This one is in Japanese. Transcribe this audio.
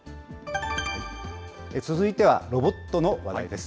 続いてはロボットの話題です。